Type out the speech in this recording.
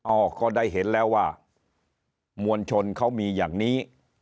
ก็ได้เห็นแล้วว่ามวลชนเขามีอย่างนี้